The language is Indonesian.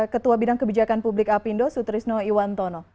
ketua bidang kebijakan publik apindo sutrisno iwantono